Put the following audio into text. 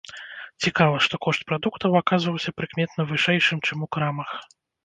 Цікава, што кошт прадуктаў аказаўся прыкметна вышэйшым чым у крамах.